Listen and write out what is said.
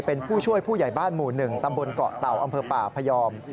เป็นผู้ช่วยผู้ใหญ่บ้านหมู่๑ตำบลเกาะเต่าอำเภอป่าพยอม